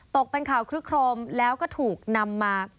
ตกเป็นข่าวคลึกโครมแล้วก็ถูกนำมา